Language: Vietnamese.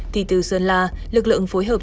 thì từ sơn la lực lượng phối hợp